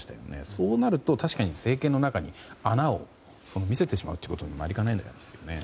そうなると確かに政権の中に穴を見せてしまうということにもなりかねないわけですよね。